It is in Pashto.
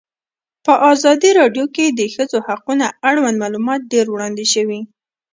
په ازادي راډیو کې د د ښځو حقونه اړوند معلومات ډېر وړاندې شوي.